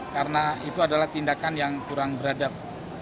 karena itu adalah tindakan yang kurang beradab